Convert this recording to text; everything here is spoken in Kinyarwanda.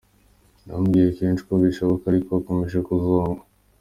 Namubwiye kenshi ko bidashoboka ariko akomeje kunzonga.